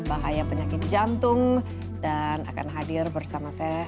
bahaya penyakit jantung dan akan hadir bersama saya